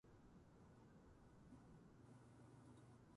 英語を学ぶ